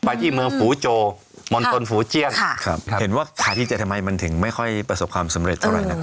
ไปที่เมืองฟูโจมณตนฟูเจียกครับครับเห็นว่าขายที่เจธมัยมันถึงไม่ค่อยประสบความสำเร็จเท่าไหร่นะครับ